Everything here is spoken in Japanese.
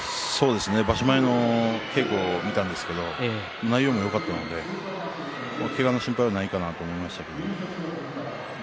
場所前の稽古を見たんですけど内容がよかったのでけがの心配はないなと思いました。